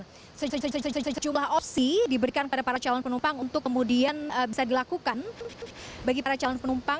pertama sekali bagi para calon penumpang sejumlah opsi diberikan kepada para calon penumpang untuk kemudian bisa dilakukan